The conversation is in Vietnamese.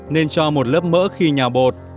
nên cho một lớp mỡ khi nhào bột